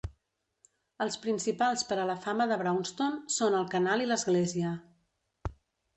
Els principals per a la fama de Braunston són el canal i l'església.